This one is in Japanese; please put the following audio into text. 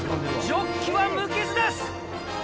ジョッキは無傷です！